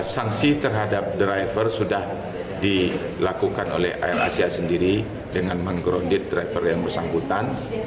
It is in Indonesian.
sanksi terhadap driver sudah dilakukan oleh air asia sendiri dengan meng grounded driver yang bersangkutan